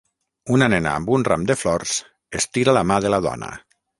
Una nena amb un ram de flors estira la mà de la dona.